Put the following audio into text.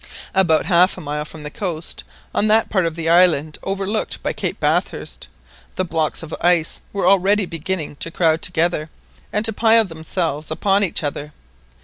About half a mile from the coast on that part of the island overlooked by Cape Bathurst, the blocks of ice were already beginning to crowd together, and to pile themselves upon each other.